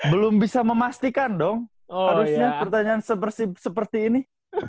belum bisa memastikan dong harusnya pertanyaan seperti ini